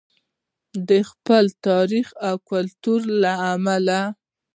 د خپل تاریخ او کلتور له امله.